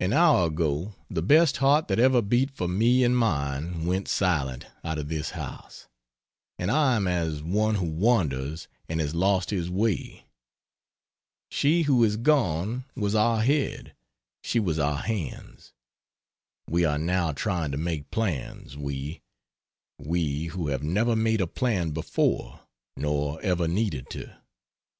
An hour ago the best heart that ever beat for me and mine went silent out of this house, and I am as one who wanders and has lost his way. She who is gone was our head, she was our hands. We are now trying to make plans we: we who have never made a plan before, nor ever needed to.